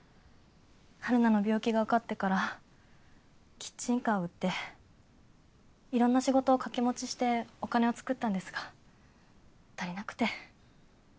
陽菜の病気がわかってからキッチンカーを売っていろんな仕事を掛け持ちしてお金を作ったんですが足りなくて。